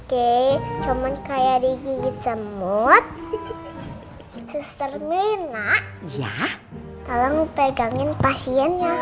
miski kek cuman kayak digigit semut sus termina ya kalau mau pegangin pasiennya